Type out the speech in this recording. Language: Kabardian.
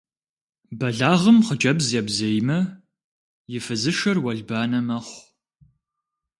Бэлагъым хъыджэбз ебзеймэ, и фызышэр уэлбанэ мэхъу.